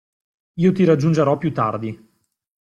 Io ti raggiungerò più tardi.